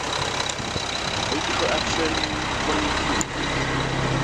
Political Action Committee.